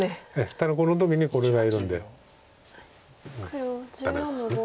ただこの時にこれがいるんでダメなんです。